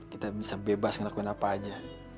kita bisa bebas ngelakuin apa aja